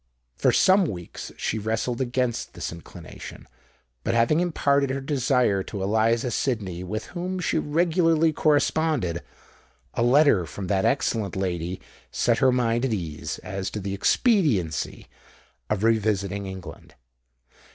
For some weeks she wrestled against this inclination; but having imparted her desire to Eliza Sydney, with whom she regularly corresponded, a letter from that excellent lady set her mind at ease as to the expediency of revisiting England.